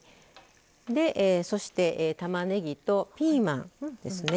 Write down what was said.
そして、たまねぎとピーマンですね。